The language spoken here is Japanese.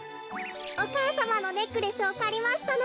お母さまのネックレスをかりましたの。